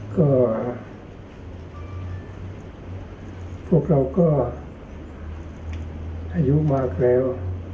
ก็พวกเราก็อายุมากแล้ว